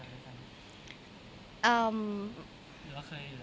อือแล้วเคยอยู่แล้ว